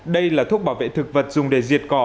đây là thuốc bảo vệ thực vật dùng để diệt cỏ